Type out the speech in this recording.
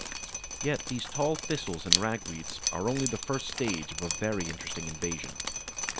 Yet these tall Thistles and Ragweeds are only the first stage of a very interesting invasion.